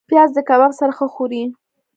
پیاز د کباب سره ښه خوري